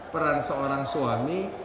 peran seorang suami